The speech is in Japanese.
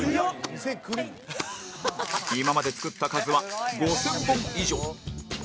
「２００９年」今まで作った数は５０００本以上